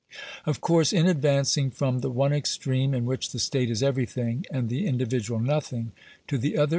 Of course, in advancing from the one extreme, in which the state is everything and the individual nothing, to the other!